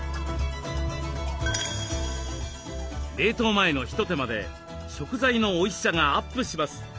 冷凍前の一手間で食材のおいしさがアップします。